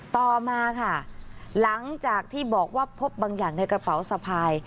ต่อมาค่ะหลังจากที่บอกว่าพบบางอย่างในกระเป๋าสะพาย